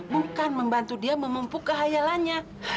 bukan membantu dia memumpuk kehayalannya